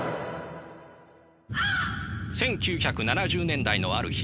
１９７０年代のある日